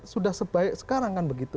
sudah sebaik sekarang kan begitu